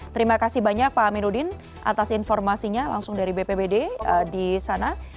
terima kasih banyak pak aminuddin atas informasinya langsung dari bpbd di sana